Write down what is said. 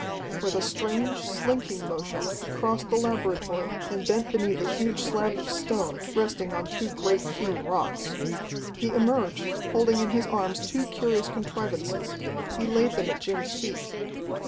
With a strange, slinking motion he crossed the laboratory and bent beneath a huge slab of stone, resting on two great hewn rocks. He emerged, holding in his arms two curious contrivances. He laid them at Jim's feet.